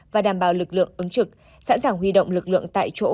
và đảm bảo lực lượng ứng trực sẵn sàng huy động lực lượng tại chỗ